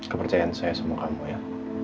kepercayaan saya sama kamu ya